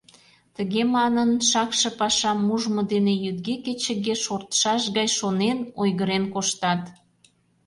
Тыге манын, шакше пашам ужмо дене йӱдге-кечыге шортшаш гай шонен, ойгырен коштат.